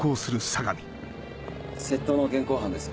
窃盗の現行犯です。